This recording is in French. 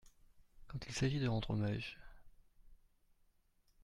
Quand il s’agit de rendre hommage…